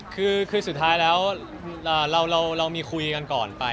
คือสุดท้ายแล้วเรามีคุยกันก่อนไป